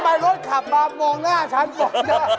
ทำไมรถขับมามองหน้าฉันก่อนนะ